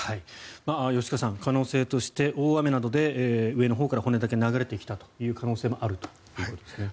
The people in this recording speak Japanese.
吉川さん、可能性として大雨などで上のほうから骨だけ流れてきた可能性があるということですね。